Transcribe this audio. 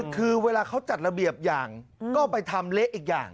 คือเวลาเขาจัดระเบียบอย่างก็ไปทำเละอีกอย่าง